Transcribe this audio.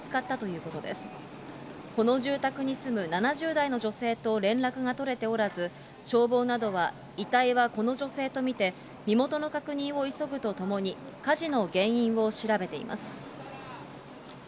この住宅に住む７０代の女性と連絡が取れておらず、消防などは、遺体はこの女性と見て、身元の確認を急ぐとともに、火事の原因を調べています。